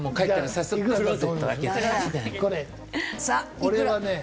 俺はね